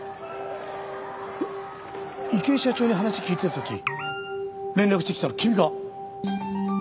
えっ池井社長に話聞いてた時連絡してきたの君か？